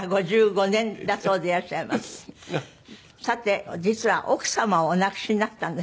さて実は奥様をお亡くしになったんですね。